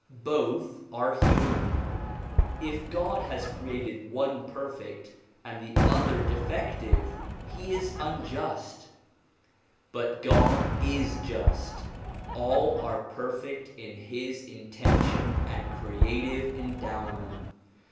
Both are human. If God has created one perfect and the other defective he is unjust. But God is just ; all are perfect in his intention and creative endowment.